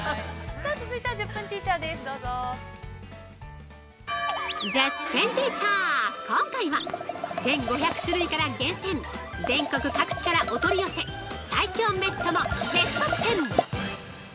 ◆続いては、「１０分ティーチャー」です、どうぞ。◆１０分ティーチャー、今回は１５００種類から厳選全国各地からお取り寄せ最強！メシともベスト１０。